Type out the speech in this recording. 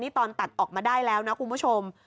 ตอนตัดออกมาได้แล้วนะคุณผู้ชม